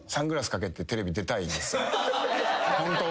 ホントは。